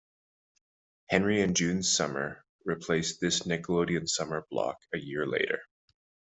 Henry and June's Summer replaced this Nickelodeon summer block a year later.